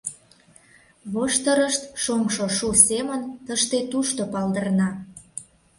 Воштырышт шоҥшо шу семын тыште-тушто палдырна.